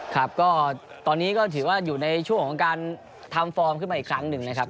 ครับก็ตอนนี้ก็ถือว่าอยู่ในช่วงของการทำฟอร์มขึ้นมาอีกครั้งหนึ่งนะครับ